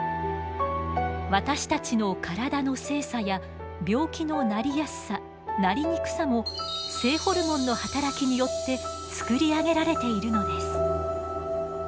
私たちの体の性差や病気のなりやすさなりにくさも性ホルモンの働きによって作り上げられているのです。